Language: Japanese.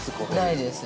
◆ないです。